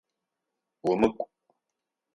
Умыкӏу!